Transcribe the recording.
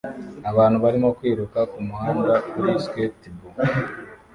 Abantu barimo kwiruka kumuhanda kuri skatebo